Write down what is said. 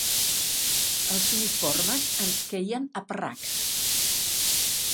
Els uniformes ens queien a parracs